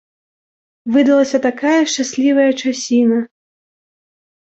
Выдалася такая шчаслівая часіна!